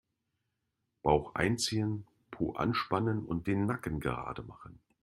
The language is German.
Bauch einziehen, Po anspannen und den Nacken gerade machen.